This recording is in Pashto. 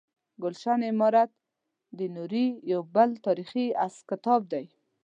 ګلشن امارت د نوري یو بل تاریخي کتاب دی.